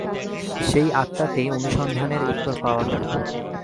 সেই আত্মাতেই অনুসন্ধানের উত্তর পাওয়া গেল।